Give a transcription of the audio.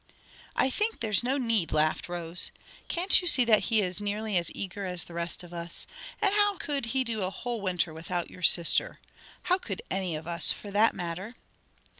"I think there's no need," laughed Rose. "Can't you see that he is nearly as eager as the rest of us? and how could he do a whole winter without your sister? How could any of us, for that matter?"